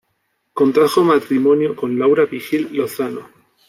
Contrajo matrimonio con Laura Vigil Lozano.